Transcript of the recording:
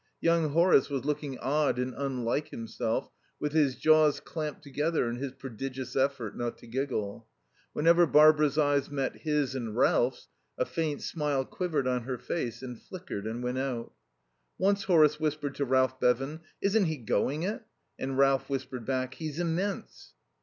Young Horace was looking odd and unlike himself, with his jaws clamped together in his prodigious effort not to giggle. Whenever Barbara's eyes met his and Ralph's, a faint smile quivered on her face and flickered and went out. Once Horace whispered to Ralph Bevan: "Isn't he going it?" And Ralph whispered back: "He's immense."